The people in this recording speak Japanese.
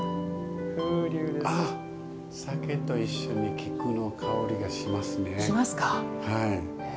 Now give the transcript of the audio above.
酒と一緒に菊の香りがしますね。